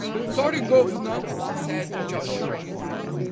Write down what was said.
"Sorry, guv'nor," said Joshua.